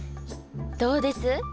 どうです？